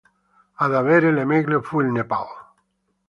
Ad avere la meglio fu il Nepal.